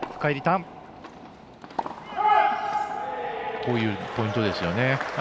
こういうポイントですよね。